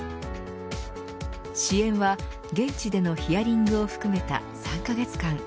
支援は、現地でのヒアリングを含めた３カ月間。